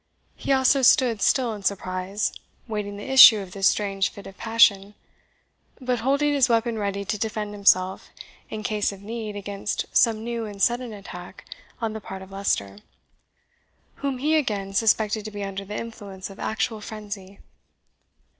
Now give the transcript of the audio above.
He also stood still in surprise, waiting the issue of this strange fit of passion, but holding his weapon ready to defend himself in case of need against some new and sudden attack on the part of Leicester, whom he again suspected to be under the influence of actual frenzy.